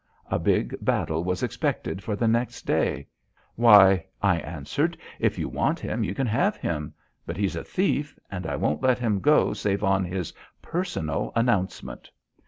A big battle was expected for the next day. "Why," I answered, "if you want him you can have him. But he's a thief, and I won't let him go save on his personal announcement."